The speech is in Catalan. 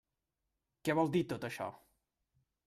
Què vol dir tot això?